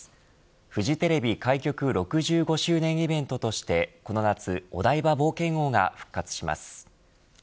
フジテレビ開局６５周年イベントとしてこの夏お台場冒険王が復活します。